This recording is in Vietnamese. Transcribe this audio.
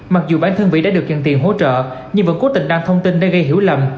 mặc dù bản thân vị đã được nhận tiền hỗ trợ nhưng vẫn cố tình đăng thông tin để gây hiểu lầm